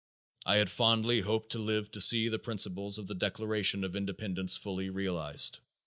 I had fondly hoped to live to see the principles of the Declaration of Independence fully realized.